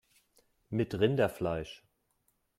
Mit Rinderfleisch